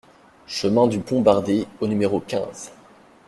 Chemin du Pont Bardé au numéro quinze